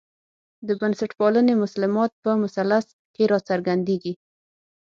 د بنسټپالنې مسلمات په مثلث کې راڅرګندېږي.